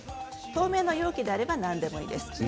透明な容器であれば何でもいいです。